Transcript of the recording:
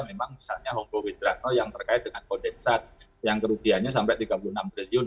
memang misalnya hongkowitrano yang terkait dengan kodeksat yang kerugiannya sampai tiga puluh enam triliun